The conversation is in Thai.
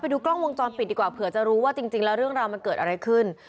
ดูกล้องวงจรปิดดีกว่าเผื่อจะรู้ว่าจริงแล้วเรื่องราวมันเกิดอะไรขึ้น